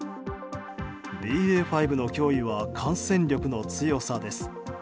ＢＡ．５の脅威は感染力の強さです。